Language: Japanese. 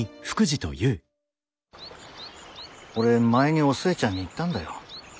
俺前にお寿恵ちゃんに言ったんだよ。